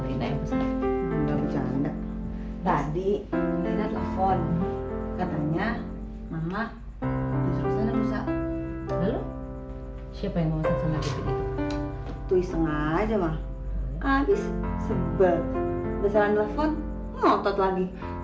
katanya mama siapa yang mau tuiseng aja mah habis sebab besok nelfon ngotot lagi